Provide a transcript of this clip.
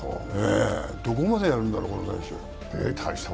どこまでやるんだろう、この選手。